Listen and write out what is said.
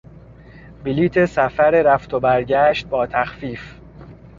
بلیط سفر رفت و برگشت با تخفیف